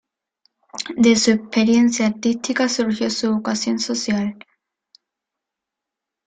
De su experiencia artística surgió su vocación social.